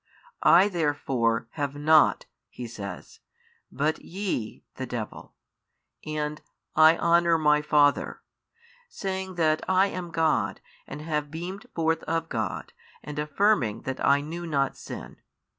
I therefore have not (He says) but YE the devil, and I honour My Father, saying that I am God and have beamed forth of God and affirming that I knew not sin.